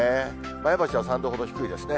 前橋は３度ほど低いですね。